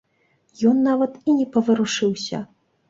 Ён нават і не паварушыўся.